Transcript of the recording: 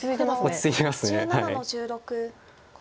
落ち着いてます。